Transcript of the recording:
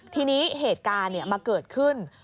ทีนี้เหตุการณ์มาเกิดขึ้น